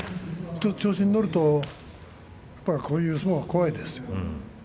調子に乗るとこういう相撲は怖いですからね。